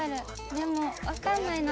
でもわかんないな。